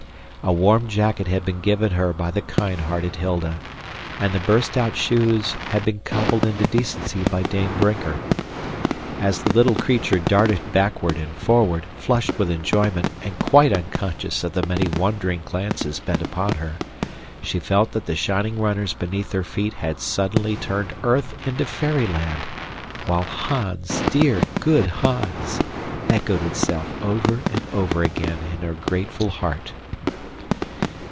A warm jacket had been given her by the kind hearted Hilda, and the burst out shoes had been cobbled into decency by Dame Brinker. As the little creature darted backward and forward, flushed with enjoyment and quite unconscious of the many wondering glances bent upon her, she felt that the shining runners beneath her feet had suddenly turned earth into fairyland while "Hans, dear, good Hans!" echoed itself over and over again in her grateful heart.